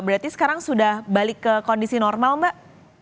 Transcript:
berarti sekarang sudah balik ke kondisi normal mbak